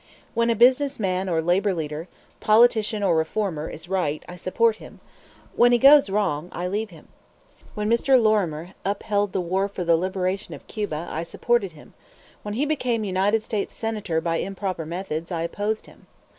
When a business man or labor leader, politician or reformer, is right, I support him; when he goes wrong, I leave him. When Mr. Lorimer upheld the war for the liberation of Cuba, I supported him; when he became United States Senator by improper methods, I opposed him.